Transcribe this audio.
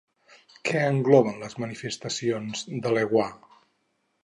Què engloben les Manifestations d'Eleguá?